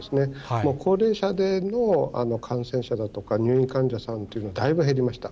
もう高齢者での感染者だとか入院患者さんというのはだいぶ減りました。